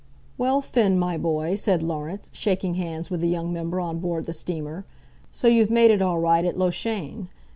"Well, Finn, my boy," said Laurence, shaking hands with the young member on board the steamer, "so you've made it all right at Loughshane."